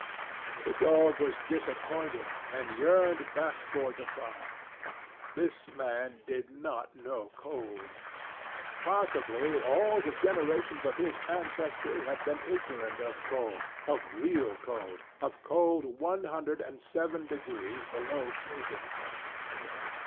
The dog was disappointed and yearned back toward the fire. This man did not know cold. Possibly all the generations of his ancestry had been ignorant of cold, of real cold, of cold one hundred and seven degrees below freezing point.